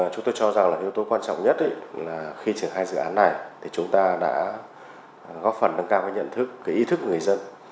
chúng tôi cho rằng là yếu tố quan trọng nhất là khi triển khai dự án này thì chúng ta đã góp phần nâng cao cái nhận thức cái ý thức người dân